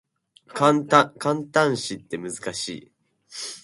感嘆詞って難しい